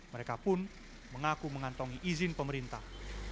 mereka pun mengaku mengantongi izin pemerintah